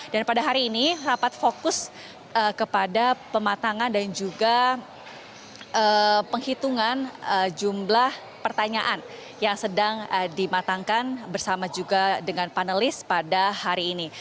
dan pada hari ini rapat fokus kepada pematangan dan juga penghitungan jumlah pertanyaan yang sedang dimatangkan bersama juga dengan panelis pada hari ini